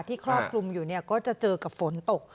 ที่ครอบคลุมอยู่เนี่ยก็จะเจอกับฝนตก